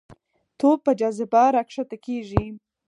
توپ په جاذبه راښکته کېږي.